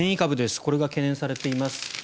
これが懸念されています。